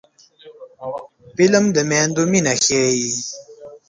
فلم د میندو مینه ښيي